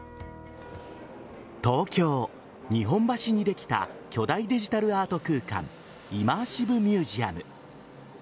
東京・日本橋にできた巨大デジタルアート空間イマーシブミュージアム。